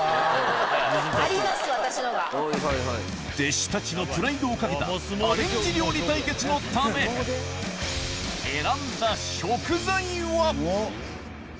弟子たちのプライドを懸けたアレンジ料理対決のため選んだ食材は？